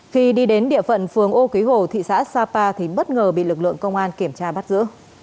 khi đi đến địa phận phường ô ký hồ thị xã sapa thì bất ngờ bị lực lượng công an kiểm tra bắt giữ